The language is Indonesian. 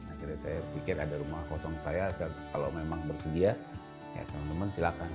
akhirnya saya pikir ada rumah kosong saya kalau memang bersedia ya teman teman silahkan